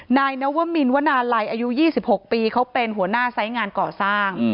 นายนวมินวนาลัยอายุ๒๖ปีเขาเป็นหัวหน้าไซส์งานก่อสร้าง